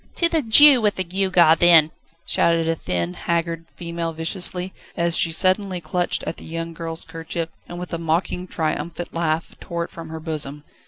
"To the Jew with the gewgaw, then!" shouted a thin, haggard female viciously, as she suddenly clutched at the young girl's kerchief, and with a mocking, triumphant laugh tore it from her bosom.